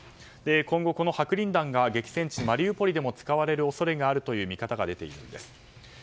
今後、この白リン弾が激戦地マリウポリでも使われる恐れがあるという見方が出ているんです。